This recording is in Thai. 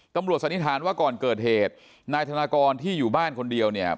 สันนิษฐานว่าก่อนเกิดเหตุนายธนากรที่อยู่บ้านคนเดียวเนี่ย